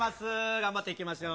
頑張っていきましょう。